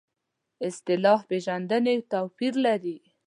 اصطلاح پېژندنې توپیر لري.